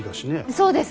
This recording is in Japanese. そうです。